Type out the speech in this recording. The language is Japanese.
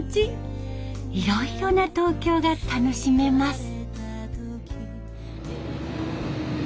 いろいろな東京が楽しめます。